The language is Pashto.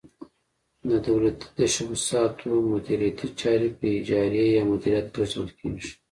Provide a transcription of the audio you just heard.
د دولتي تشبثاتو مدیریتي چارې په اجارې یا مدیریت لیږدول کیږي.